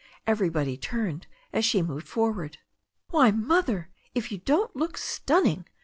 Everybody turned as she moved forward. "Why, Mother, if you don't look stunning